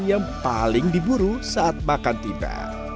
yang paling diburu saat makan tiba